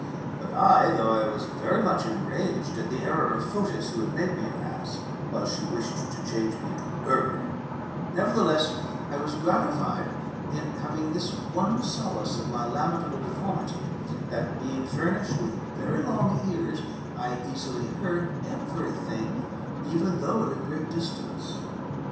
But I though I was very much enraged at the error of Fotis, who had made me an ass, while she wished to change me into a bird, nevertheless, I was gratified in having this one solace of my lamentable deformity, that, being furnished with very long ears, I easily heard every thing, even though at a great distance.